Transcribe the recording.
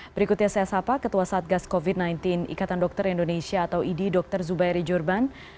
berikutnya saya sapa ketua satgas covid sembilan belas ikatan dokter indonesia atau idi dr zubairi jurban